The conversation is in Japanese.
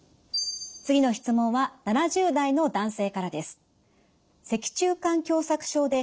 次の質問は７０代の男性からです。